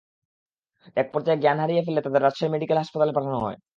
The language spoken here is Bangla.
একপর্যায়ে জ্ঞান হারিয়ে ফেললে তাদের রাজশাহী মেডিকেল কলেজ হাসপাতালে পাঠানো হয়।